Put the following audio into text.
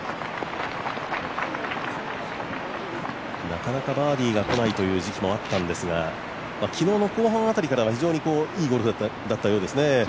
なかなかバーディーがこない時期もあったんですが昨日の後半辺りから非常にいいゴルフだったようですね。